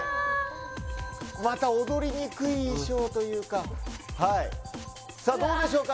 また踊りにくい衣装というかはいさあどうでしょうか？